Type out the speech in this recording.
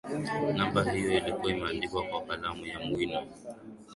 namba hiyo ilikuwa imeandikwa kwa kalamu ya wino